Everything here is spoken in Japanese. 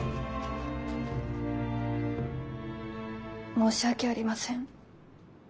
申し訳ありません。